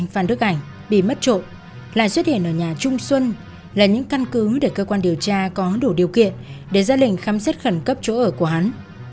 phan đức ảnh bị mất trộm lại xuất hiện ở nhà trung xuân là những căn cứ để cơ quan điều tra có đủ điều kiện để ra lệnh khám xét khẩn cấp chỗ ở của hắn